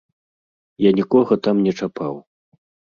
Я нікога там не чапаў!